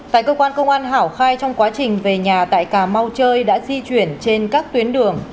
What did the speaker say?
tại cơ quan công an hảo khai trong quá trình về nhà tại cà mau chơi đã di chuyển trên các tuyến đường